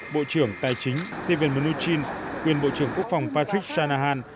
bộ trưởng tài chính stephen mnuchin quyền bộ trưởng quốc phòng patrick sanahan